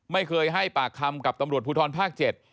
ไม่เคยให้ปากคำกับตำรวจภูทรภาค๗